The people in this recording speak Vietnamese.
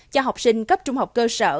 cho học sinh cấp trung học cơ sở